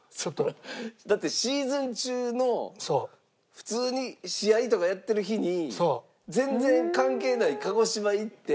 だってシーズン中の普通に試合とかやってる日に。